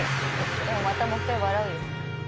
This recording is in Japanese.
でもまたもう１回笑うよ。